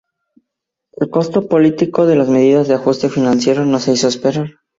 El costo político de las medidas de ajuste financiero no se hizo esperar.